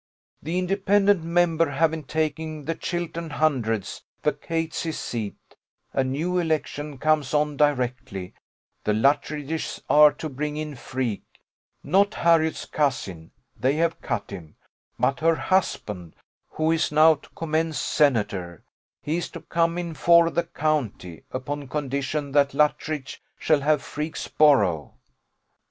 The independent member having taken the Chiltern Hundreds, vacates his seat: a new election comes on directly: the Luttridges are to bring in Freke not Harriot's cousin they have cut him, but her husband, who is now to commence senator: he is to come in for the county, upon condition that Luttridge shall have Freke's borough.